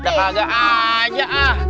udah kagak aja ah